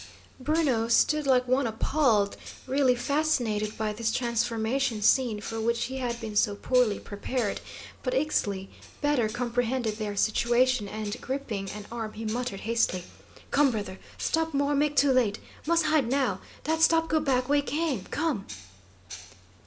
Bruno stood like one appalled, really fascinated by this transformation scene for which he had been so poorly prepared; but Ixtli better comprehended their situation, and gripping an arm he muttered, hastily: "Come, brother; stop more, make too late. Must hide, now. Dat stop go back way came. Come!"